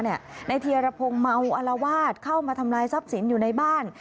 นายเทียรพงศ์เมาอลวาดเข้ามาทำลายทรัพย์สินอยู่ในบ้าน